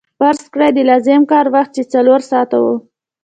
فرض کړئ د لازم کار وخت چې څلور ساعته وو